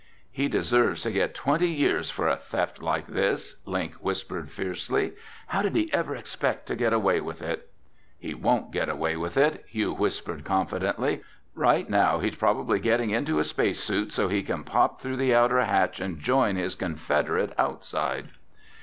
"He deserves to get twenty years for a theft like this," Link whispered fiercely. "How did he ever expect to get away with it?" "He won't get away with it," Hugh whispered confidently. "Right now he's probably getting into a space suit so he can pop through the outer hatch and join his confederate outside."